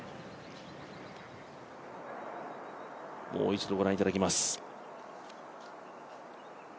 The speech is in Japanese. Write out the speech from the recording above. もう一度ご覧いただきます。